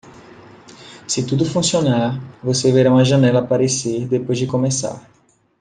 Se tudo funcionar, você verá uma janela aparecer depois de começar.